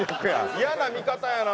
イヤな見方やな。